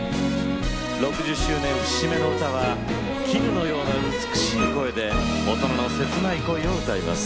６０周年節目の歌は絹のような美しい声で大人の切ない恋を歌います。